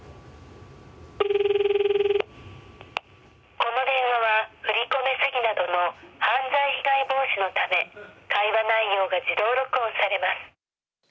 この電話は振り込め詐欺などの犯罪被害防止のため会話内容が自動録音されます。